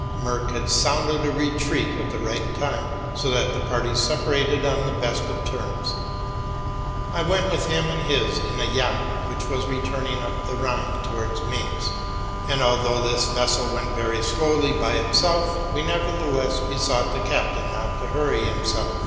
Merck had sounded a retreat just at the right time, so that, the party separated on the best of terms. I went with him and his in a yacht, which was returning up the Rhine towards Mayence; and, although this vessel went very slowly of itself, we nevertheless besought the captain not to hurry him self.